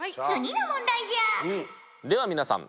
では皆さん